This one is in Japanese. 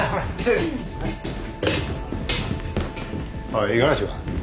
おい五十嵐は？